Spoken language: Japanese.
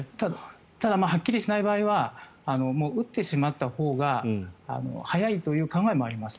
ただはっきりしない場合は打ってしまったほうが早いという考えもあります。